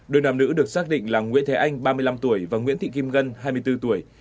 đôi nam nữ được xác định là nguyễn thế anh ba mươi năm tuổi và nguyễn thị kim ngân hai mươi bốn tuổi